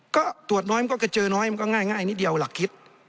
ก็ตรวจน้อยมันก็กระเจอน้อยมันก็ง่ายนิดเดียวหลักคิด